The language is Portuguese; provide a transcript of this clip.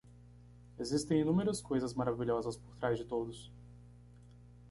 Existem inúmeras coisas maravilhosas por trás de todos.